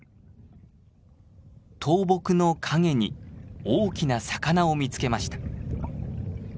倒木の陰に大きな魚を見つけました。